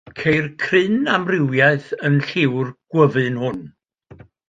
Ceir cryn amrywiaeth yn lliw'r gwyfyn hwn.